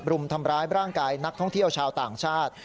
รุมทำร้ายร่างกายนักท่องเที่ยวชาวต่างชาติ